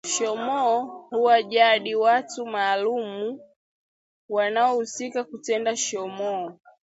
Shomoo huwa jadi watu maalumu wanaohusika kutenda shomoo